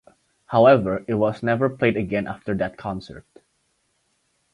However, it was never played again after that concert.